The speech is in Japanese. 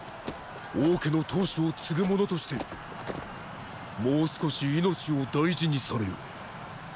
王家の頭首を継ぐ者としてもう少し命を大事にされよ。